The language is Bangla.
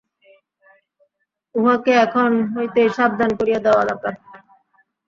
উঁহাকে এখন হইতেই সাবধান করিয়া দেওয়া দরকার।